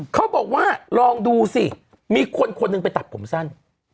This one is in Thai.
เขาบอกว่าลองดูสิมีคนคนหนึ่งไปตัดผมสั้น